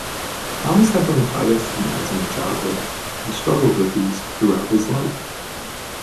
Thomas had bronchitis and asthma in childhood and struggled with these throughout his life.